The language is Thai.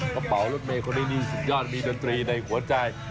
กระเป๋ารถเมย์คนนี้นี่สุดยอดมีดนตรีในหัวใจ